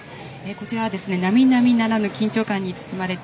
こちらはなみなみならぬ緊張感です。